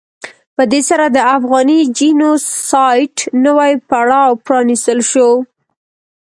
په دې سره د افغاني جینو سایډ نوی پړاو پرانستل شو.